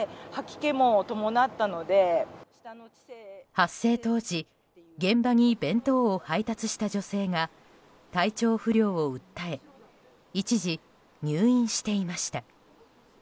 発生当時、現場に弁当を配達した女性が体調不良を訴え一時、入院していました。